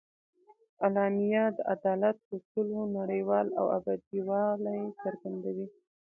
اعلامیه د عدالت اصولو نړیوال او ابدي والي څرګندوي.